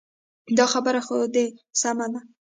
دا خبره خو دې سمه ده.